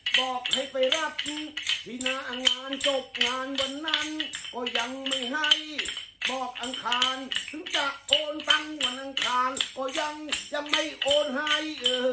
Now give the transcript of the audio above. บอกให้ไปรับที่หน้างานจบงานวันนั้นก็ยังไม่ให้บอกอังคารถึงจะโอนตังค์วันอังคารก็ยังไม่โอนให้